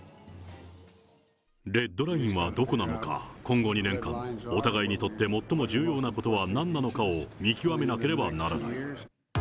レッドラインはどこなのか、今後２年間、お互いにとって最も重要なことはなんなのかを見極めなければならない。